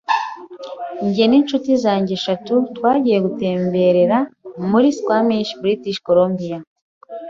njye n’inshuti zanjye eshatu twagiye gutemberera muri squamish, British Colombia.